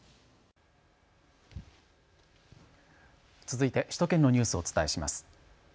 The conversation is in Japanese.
続いて首都圏のニュースをお伝えします。